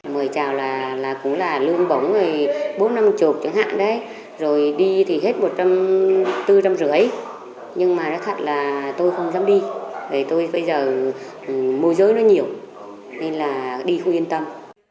mời chào là cũng là lương bóng bốn năm chục chẳng hạn đấy rồi đi thì hết bốn trăm linh một trăm năm mươi nhưng mà nói thật là tôi không dám đi vậy tôi bây giờ môi giới nó nhiều nên là đi không yên tâm